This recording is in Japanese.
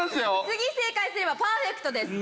次正解すればパーフェクトです。